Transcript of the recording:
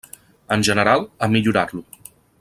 En general, a millorar-lo.